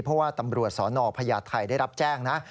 เพราะว่าตำรวจสนพญาไทยได้รับแจ้งนะ